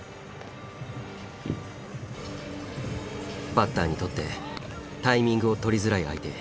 バッターにとってタイミングを取りづらい相手。